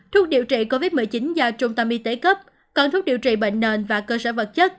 thuốc điều trị covid một mươi chín do trung tâm y tế cấp cần thuốc điều trị bệnh nền và cơ sở vật chất